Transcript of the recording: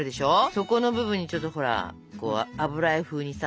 そこの部分にちょっとほら油絵風にさ。